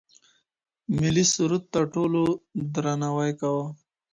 ملي سرود ته ټولو درناوی کاوه.